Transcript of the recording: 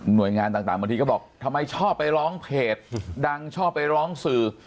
โดยงานต่างบางทีก็บอกทำไมชอบไปร้องเพจดังชอบไปร้องสื่อ